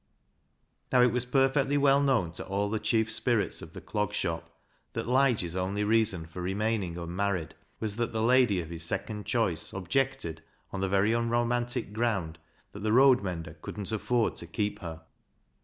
Now, it was perfectly well known to all the chief spirits of the Clog Shop that Lige's only reason for remaining unmarried was that the lady of his second choice objected on the very unromantic ground that the road mender couldn't afford to keep her.